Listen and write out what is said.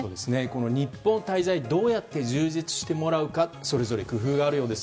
日本滞在、どうやって充実してもらうかそれぞれ工夫があるそうです。